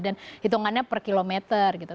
dan hitungannya per kilometer gitu